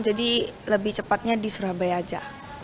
jadi lebih cepatnya di surabaya aja